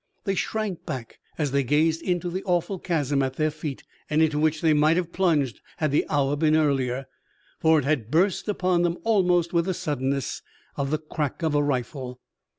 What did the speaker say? They shrank back as they gazed into the awful chasm at their feet and into which they might have plunged had the hour been earlier, for it had burst upon them almost with the suddenness of the crack of a rifle.